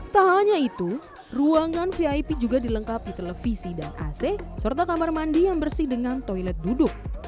tak hanya itu ruangan vip juga dilengkapi televisi dan ac serta kamar mandi yang bersih dengan toilet duduk